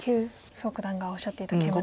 蘇九段がおっしゃっていたケイマ。